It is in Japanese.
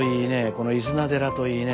この飯縄寺といいね